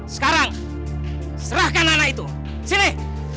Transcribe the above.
sekarang serahkan anak itu silih